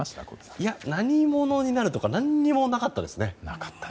いや、何者になるとか何もなかったですね。